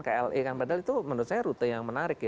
padahal itu menurut saya rute yang menarik